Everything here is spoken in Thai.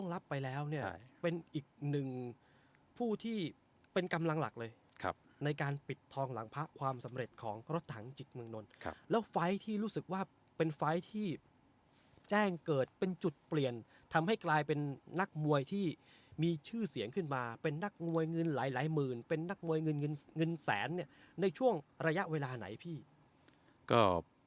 หลายหมื่นเป็นนักมวยเงินสแสนเนี่ยในช่วงระยะเวลาไหนพี่ก็